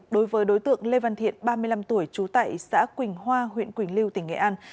đối với đối tượng lê văn thiện ba mươi năm tuổi trú tại xã quỳnh hoa huyện quỳnh lưu tỉnh nghệ an